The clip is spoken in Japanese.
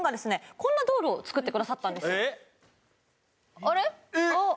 こんなドールを作ってくださったんですあれっ？